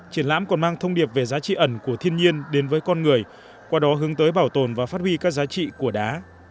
triển lãm còn mang thông điệp về giá trị ẩn của thiên nhiên đến với con người qua đó hướng tới bảo tồn và phát huy các giá trị của đá